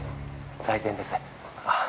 財前です。